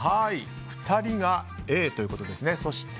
２人がＡということですね。